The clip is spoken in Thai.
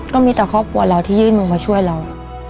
ก็มีแต่ครอบครัวเราที่ยื่นมือมาช่วยเรา